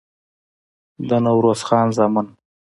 د نوروز خان زامن